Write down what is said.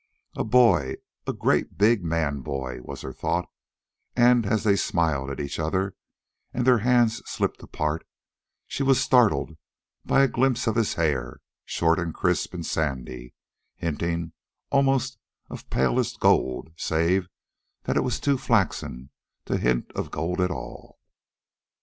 A BOY, A GREAT BIG MAN BOY, was her thought; and, as they smiled at each other and their hands slipped apart, she was startled by a glimpse of his hair short and crisp and sandy, hinting almost of palest gold save that it was too flaxen to hint of gold at all.